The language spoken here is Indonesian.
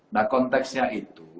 nah konteksnya itu